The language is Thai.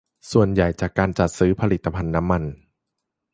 ส่วนใหญ่มาจากการจัดซื้อผลิตภัณฑ์น้ำมัน